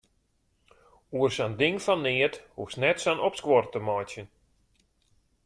Oer sa'n ding fan neat hoechst net sa'n opskuor te meitsjen.